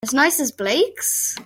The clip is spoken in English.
As nice as Blake's?